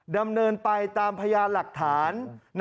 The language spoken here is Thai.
ดำเนินไปตามพยานหลักฐาน